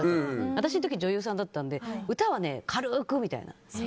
私の時は女優さんだったので歌は軽くみたいな。